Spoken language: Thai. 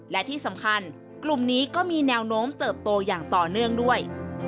และที่สำคัญกลุ่มนี้ก็มีแนวโน้มเติบโตอย่างต่อเนื่องด้วย